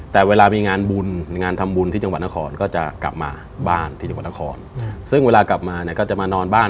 แต่เวลามีงานทำบุญที่จังหวัดนครก็จะกลับมาบ้าน